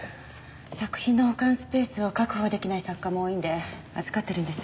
作品の保管スペースを確保出来ない作家も多いので預かってるんです。